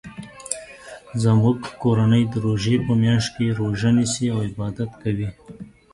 زموږ کورنۍ د روژی په میاشت کې روژه نیسي او عبادت کوي